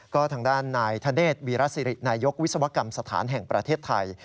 ก็ทางด้านนายธเดชวีรสิรินายกวิศวกรรมสถานแห่งประเทศไทย